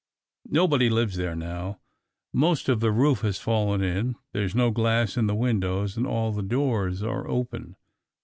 Nobody lives there now. Most of the roof has fallen in, there is no glass in the windows, and all the doors are open.